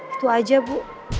itu aja bu